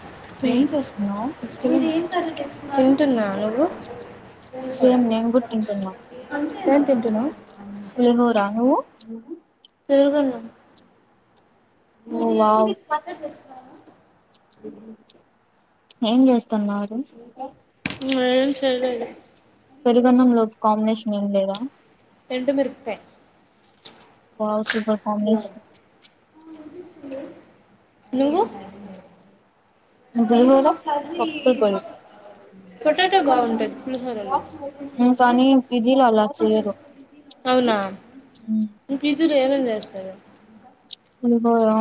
[unintelligible] [inaudible] ఏం చేస్తున్నారు ఓ ఏం చేయలేదు ఎండుమిరపకాయ్ వావ్ సూపర్ కాంబినేషన్ మీరు పొటాటో బావుంటది పులిహోర లో అవునా మీ పిజీలో ఏమేం చేస్తారు? హ్మ్ పోదాం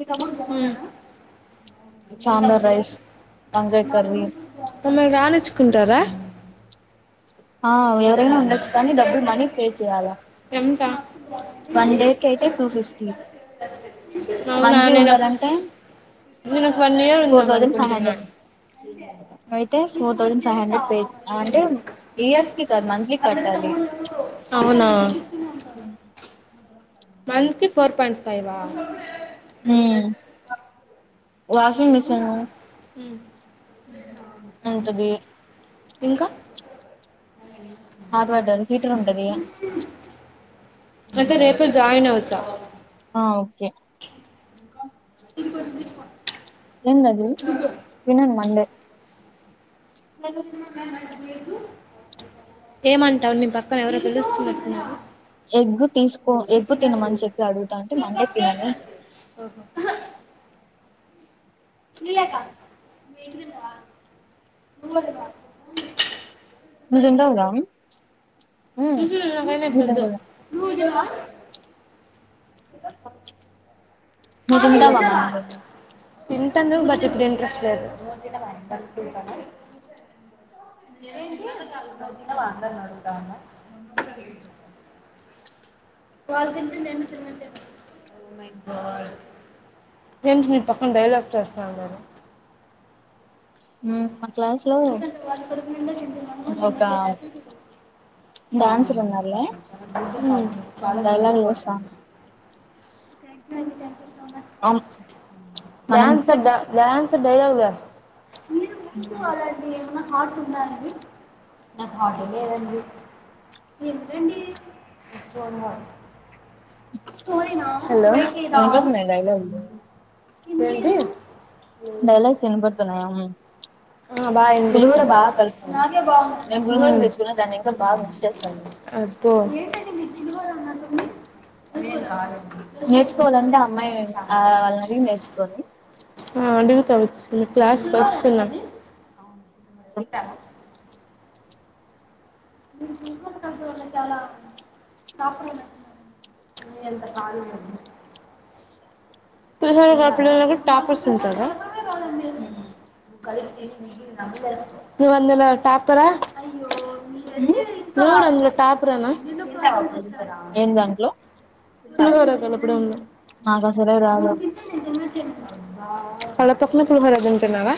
ఇది బావుందా మమ్మల్ని రానిచ్చుకుంటారా ఎంత, అవునా నేను ఫోర్ థౌజండ్ ఫైవ్ హండ్రెడ్ అయితే four thousand five hundred pay అంటే అవునా మంత్ కి ఫోర్ పాయింట్ ఫైవా హ్మ్ వాషింగ్ మిషను హ్మ్ ఇంకా అయితే రేపే జాయినవుతా ఏంది అది తినం మండే [unintelligible] ఏమంటావు నీ బక్ అక్క ఎవరో పిలుస్తున్నట్టున్నారు. ఇదప్పు తింటాను బట్ ఇప్పుడు ఇంట్రెస్ట్ లేదు మ వాంటన్నారుూటన్న వాళ తింటడి ఎన్న తిినమంట ఏంటి నీ పక్కన డైలాసర్ బావున్నారా న్ చాలా డ్యాన్సర్ డ్యాన్సర్ డైలాగ్ లే [unintelligible] మాకుందా అండి నాకు హోటల్ లేదండి ఎంతండి పోయి హెలో ఏంటి ఆ బాగినిపిస్తుంది అబ్బో అస్లు ఆ ఆ అడుగుతా వచ్చి మీ క్లాస్ కొస్తున్నా త మీ క చాలా కాప ఎంత కాలు పులిహోర కలపడంలో కూడా టాపర్స్ ఉంటారా నువ్వందులో టాపరా నువ్ గూడా అందులో టాపరేనా పులిహోర కలపడంలో [inaudible] మరదె తిన్నావా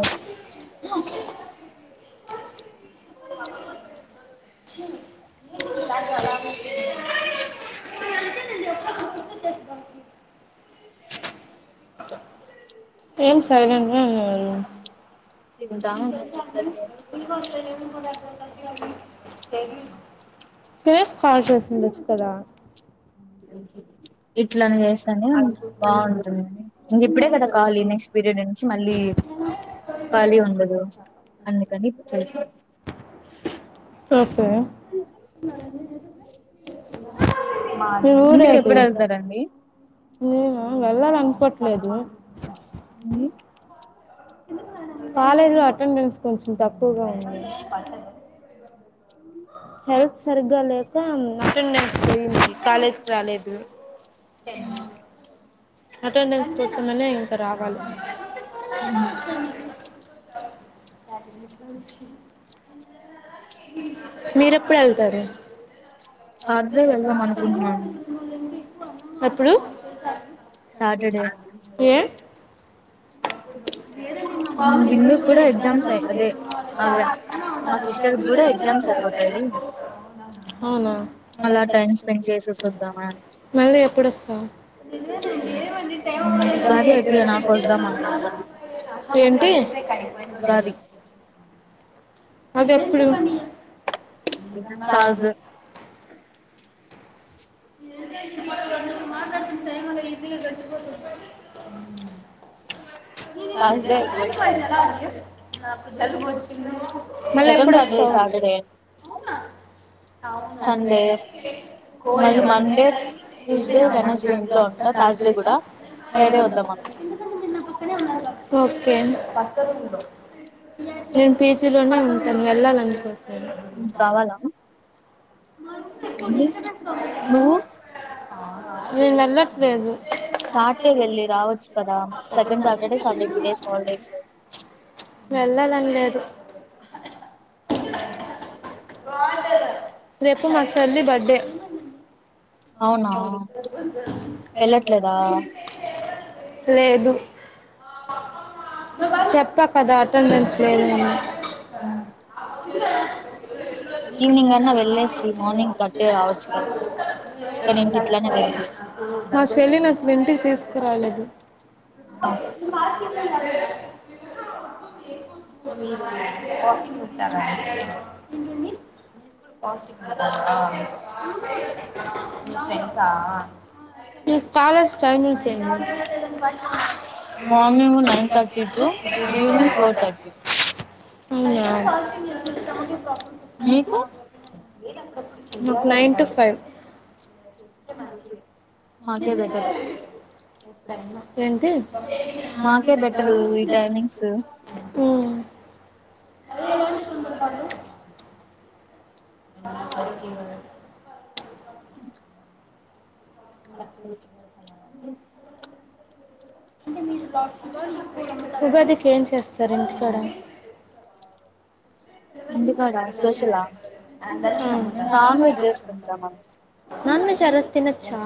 ఎస్ రా అఓకే ఏం సైలెంట్ గా ఉన్నోళ్ళు కొ [inaudible] [unintelligible] తినేసి కాల్ చేసిండొచ్చు కదా ఇట్లనే చేస్తేనే బాగుంటుంది ఇంక ఇప్పుడే కదా ఖాళీ నెక్స్ట్ పీరియడ్ నుంచి మళ్ళీ ఖాళీ ఉండదు అందుకని చేస ఓకే మీ ఊరే ఏది మేమా వెళ్ళాల అనుకోవట్లేదు మ్మ్ కాలేజ్ లో అటెండెన్స్ కొంచెం తక్కువగా ఉంది హెల్త్ సరిగ్గా లేక మ్మ్ అటెండెన్స్ కాలేజ్కి రాలేదు ఎ అటెండెన్స్ కోసమనే ఇంకా రావాలి మ్మ్ మీరెప్పుడు వెళ్తారు అద్ది చందమామ దగ్గరకి వెళ్ళింది ఎప్పుడు ఏ లేదండి మా బామ్మ ఇరు కూడా ఎగ్జామ్స్ లే చ అ ఉ అవునా అ మళ్ళీ ఎప్పుడు వస్తా వ్ ఏంటి అదేప్పుడు [unintelligible] న మన ఈజీ గడిచిపోతది తర్స్ డే వస్తాం నాకు జలుబు వచ్చింది సెకండ్ సాటర్డే సండే మ ఎందుకంటే మీరు నా పక్కనే ఉన్నారు కాబట్టి టెన్ పక్క రూమ్లో నేను పిజీలోనే ఉంటాను వెళ్ళాలనుకోవట్లేదు నువ్వు నేను వెళ్ళట్లేదు వెళ్ళాలని లేదు వాటరు రేపు మా సేల్లి బర్త్డే అవు వెళ్ళట్లేద లేదు చెప్ప కదా అటెండెన్స్ లేదు మనము ఈవినింగ్ అన్నా వెళ్ళేసి మార్నింగ్ కరెక్ట్ రావచ్చు కదా మా సెల్లి అసలు ఇంటి తీసుకురాలేదు [unintelligible] కాస్టింగ్ ముట్నర ఏంటడి ఆస్తి ఆ మీ ఫెండ్సా మీ కాలేజ్ టైమింగ్స్ ఏంది [inaudible] morning nine thirty to evening four thirty మీకు నైన్ టు ఫైవ్ తెలిస్తే మంచిది నేను చూస్తాను అండి ఎప్పుడైనా లేదంటే మాకే బెటర్ ఇ టైమింగ్స్ [unintelligible] మా ఫెస్టివల్స్ [inaudible] ఉగాదికి ఏం చేస్తా రు ఇంటికాడ నాన్ వెజ్ ఆ రోజు తినచ్చా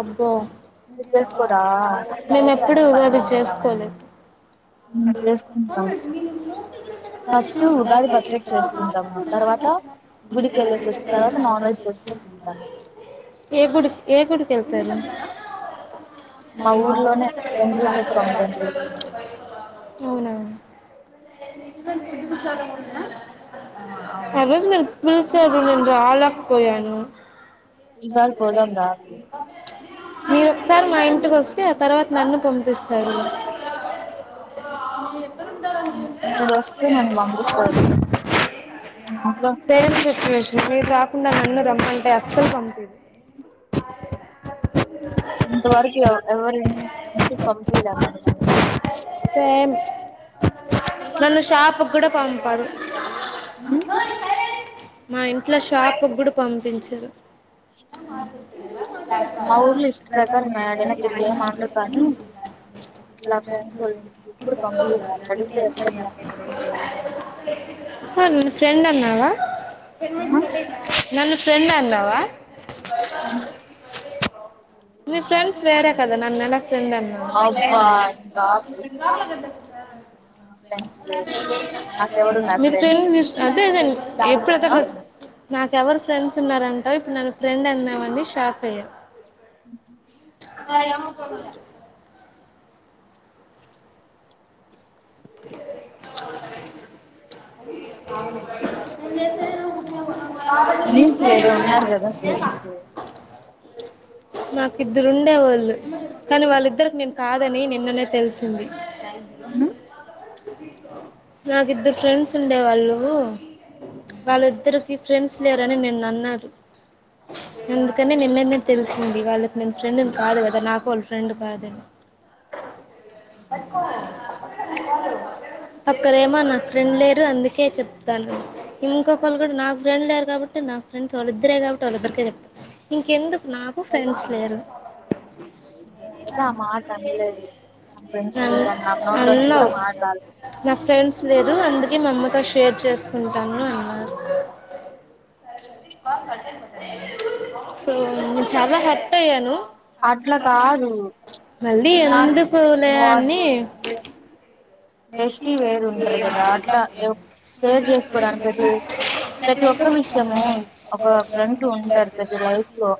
అబ్బో మేము ఎప్పుడు ఉగాదికి చేసుకోలేదు ఏ గుడి ఏ గుడికి వెళ్తారు స్వామి [unintelligible] అవునవును అ ఆ రోజు మీరు పిలిచారు నేను రాలే కోయాను మీరు ఒకసారి మా ఇంటికి వస్త ఆ తర్వాత నన్ను పంపిస్తా స్తారు సేమ్ సిచ్యువేషన్ మీరు రాకుండా నన్ను రమ్మంటే అస్సలు పంపిదు ఇంతవరకు ఎవరు ఇంటికి పంపిలా సేమ్ నన్ను షాప్ కూడా పంపారు మా ఇంట్లో షాప్కి కూడా పంపించారు ఇ ప్ర స నతే ఎ నన్ను ఫ్రెండ్ అన్నావా నన్ను ఫ్రెండ్ అన్నావా న ఫ్రెండ్స్ వేరే కదా నన్నెలా ఫ్రెండ్ అన్నావు నాకు ఎవరు ఉన్నారు ఫ్రెండ్స్ ఆ నాకెవరు ఫ్రెండ్స్ ఉన్నారంటావ్ ఇప్పుడు నన్ను ఫ్రెండ్ అన్నావనీ షాక్ అయ్యాం న ఏమ పోవలే కు మీకు వేరే ఉన్నారు కదా ఫ్రెండ్సు నాకిద్దరుండేవాళ్ళు కానీ వాళ్ళిద్దరికి నేను కాదని నిన్ననే తెలిసింది అ నాకు ఇద్దరు ఫ్రెండ్స్ ఉండేవాళ్ళు వాళ్ళిద్దరికి ఫ్రెండ్స్ లేరని నిన్న అన్నారు అందుకనే నిన్ననే తెలిసింది వాళ్ళకి నేను ఫ్రెండ్ని కాదు కదా నాకు వాళ్ళ ఫ్రెండ్ కాదని [inaudible] క్కరేమో నాకు ఫ్రెండ్ లేరు అందుకే చెప్తాను ఇంకొకళ్ళు కూడా నాకు ఫ్రెండ్ లేరు కాబట్టి నా ఫ్రెండ్స్ వాళ్ళిద్దరే కాబట్టి వాళ్ళిద్దరికే చెప్తాను. ఇంకెందుకు నాకు ఫ్రెండ్స్ లేరు అన్నవ్ నాకు ఫ్రెండ్స్ లేరు అందుకే మా అమ్మతో షేర్ చేసుకుంటాను అన్నారు సో నె చాలా హట్ అయ్యాను అట్లా కాదు మళ్ళీ ఎందుకులే అని బెస్టి వేరు ఉంటారు కదా అట్లా షేర్ చేసుకోవడానికి ప్రతి ప్రతి ఒక్క విషయము ఒక ఫ్రెండ్ ఉంటారు కదా లైఫ్ లో